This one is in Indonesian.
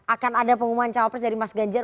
akan ada pengumuman cawapres dari mas ganjar